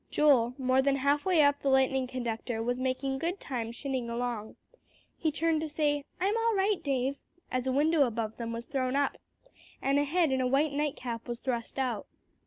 Joel, more than halfway up the lightning conductor, was making good time shinning along. He turned to say, "I'm all right, Dave," as a window above them was thrown up, and a head in a white nightcap was thrust out.